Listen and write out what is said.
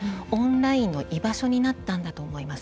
オンラインの居場所になったんだと思います。